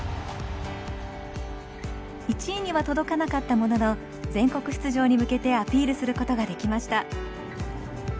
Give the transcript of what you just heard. １位には届かなかったものの全国出場に向けてアピールすることができました。